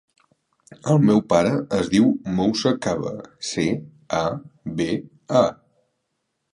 El meu pare es diu Moussa Caba: ce, a, be, a.